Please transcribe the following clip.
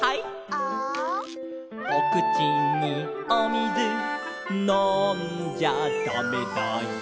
「ア」「おくちにおみずのんじゃだめだよ」